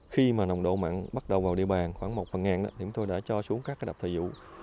khi mà nồng độ mặn bắt đầu vào địa bàn khoảng một phần ngàn thì chúng tôi đã cho xuống các đập thời dụ